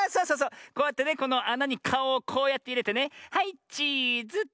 こうやってねこのあなにかおをこうやっていれてねはいチーズ。いやちがうちがうちがう。